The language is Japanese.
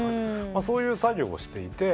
そういう作業をしていて。